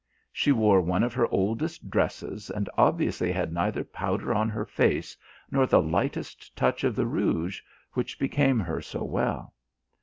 She wore one of her oldest dresses and obviously had neither powder on her face nor the lightest touch of the rouge which became her so well.